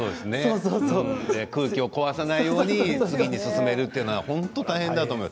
空気を壊さないように進めるというのは本当に大変だと思う。